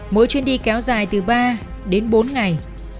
mỗi chuyến đi kéo dài từ ba đến bốn ngày